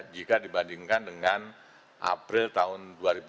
jika dibandingkan dengan april tahun dua ribu dua puluh